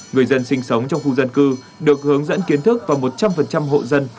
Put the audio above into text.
người dân sinh sống trong khu dân cư được hướng dẫn kiến thức và một trăm linh hộ dân